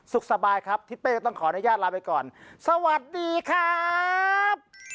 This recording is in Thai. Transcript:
สุขสบายครับทิศเป้ก็ต้องขออนุญาตลาไปก่อนสวัสดีครับ